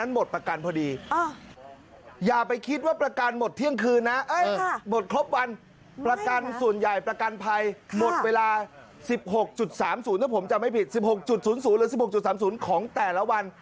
หมดเวลา๑๖๓๐ถ้าผมจำไม่ผิด๑๖๐๐หรือ๑๖๓๐ของแต่ละวัน